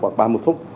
hoặc ba mươi phút